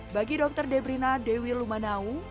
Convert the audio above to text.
bagi dokter debrina dewi lumanau